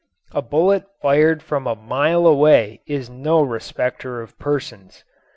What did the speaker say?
A bullet fired from a mile away is no respecter of persons.